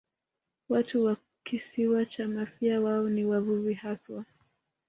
Watu wa Kisiwa cha Mafia wao ni wavuvi haswa